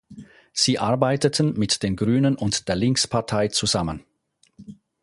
Sie arbeiteten mit den Grünen und der Linkspartei zusammen.